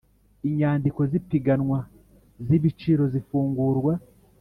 Inyandiko z ipiganwa z ibiciro zifungurwa